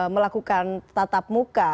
melakukan tatap muka